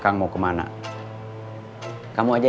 anda juga pernah ditamu tadi ya